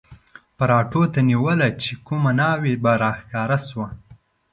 پراټو ته نیوله چې کومه ناوې به را ښکاره شوه.